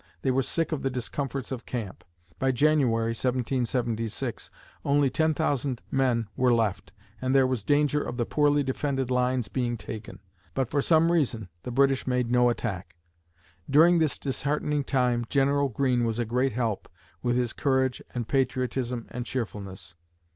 They were sick of the discomforts of camp. By January (1776), only ten thousand men were left, and there was danger of the poorly defended lines being taken. But for some reason, the British made no attack. During this disheartening time, General Greene was a great help, with his courage and patriotism and cheerfulness.